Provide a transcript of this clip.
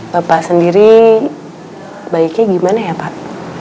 bapak sendiri baiknya gimana ya pak